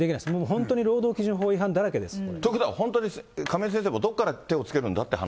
本当にもう労働基準法違反だらけです。ということは本当に亀井先生もどっから手をつけるんだっていう話。